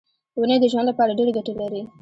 ونې د ژوند لپاره ډېرې ګټې لري.